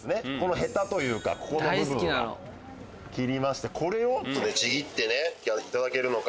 ヘタというかここの部分は切りましてこれをちぎっていただけるのか？